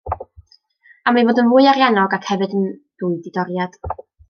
Am ei fod yn fwy ariannog, ac hefyd yn dwy didoriad.